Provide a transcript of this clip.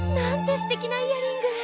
すてきなイヤリング！